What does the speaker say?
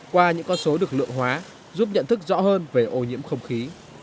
qua những con số được lượng hóa giúp nhận thức rõ hơn về ô nhiễm không khí